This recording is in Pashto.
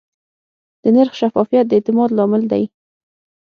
د نرخ شفافیت د اعتماد لامل دی.